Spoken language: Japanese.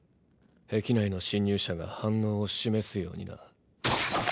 壁内の侵入者が反応を示すようにな。